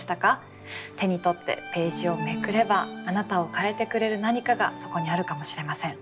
手に取ってページをめくればあなたを変えてくれる何かがそこにあるかもしれません。